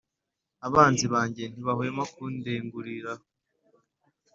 abanzi banjye ntibahwema kundenguriraho.